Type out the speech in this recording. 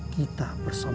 kita bersama om om